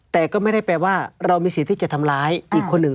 แต่ก็ไม่ได้แปลว่าเรามีสิทธิ์ที่จะทำร้ายอีกคนหนึ่ง